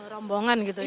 rombongan gitu ya